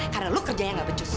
karena lo kerjanya gak becus